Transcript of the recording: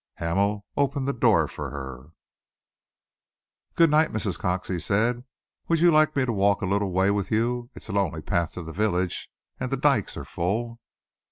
Hamel opened the door for her. "Good night, Mrs. Cox," he said. "Would you like me to walk a little way with you? It's a lonely path to the village, and the dikes are full."